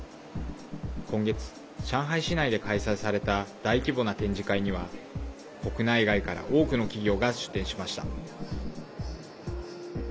今月、上海市内で開催された大規模な展示会には国内外から多くの企業が出展しました。